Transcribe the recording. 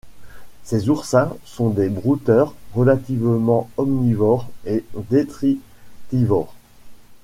Ces oursins sont des brouteurs relativement omnivores et détritivores.